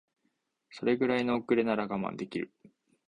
それぐらいの遅れなら我慢できる